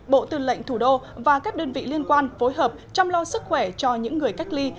bộ tư lệnh thủ đô và các đơn vị liên quan phối hợp chăm lo sức khỏe cho những người cách ly